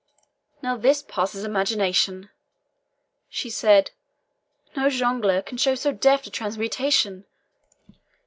"Now this passes imagination!" she said; "no jongleur can show so deft a transmutation!